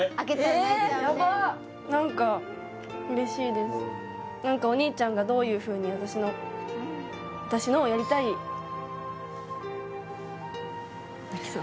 ねえやばっ何か何かお兄ちゃんがどういうふうに私の私のやりたい泣きそう？